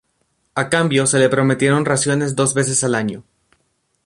A cambio, se le prometieron raciones dos veces al año.